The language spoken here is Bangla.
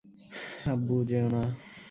আব্বু, যেয়ো না!